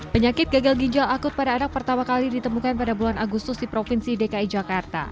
penyakit gagal ginjal akut pada anak pertama kali ditemukan pada bulan agustus di provinsi dki jakarta